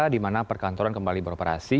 di mana perkantoran kembali beroperasi